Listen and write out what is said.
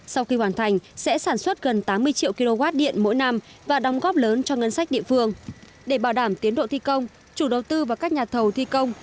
sau khi hoàn thành sẽ sản xuất gần tám mươi triệu kwh điện mỗi năm và đóng góp lớn cho ngân sách địa phương